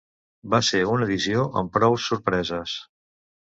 Va ser una edició amb prou sorpreses.